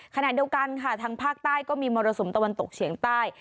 ขณะเดียวกันค่ะทางภาคใต้ก็มีมรสุมตะวันตกเฉียงใต้